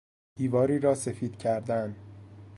دیواری را سفید کردن